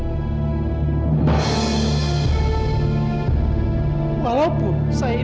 saya yang mengendong bayi itu